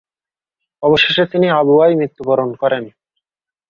অবশেষে তিনি আবওয়ায় মৃত্যুবরণ করেন।